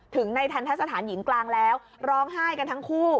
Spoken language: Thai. ถึงในทันทะสถานหญิงกลางแล้วร้องไห้กันทั้งคู่